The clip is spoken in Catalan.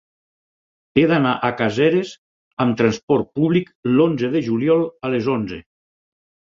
He d'anar a Caseres amb trasport públic l'onze de juliol a les onze.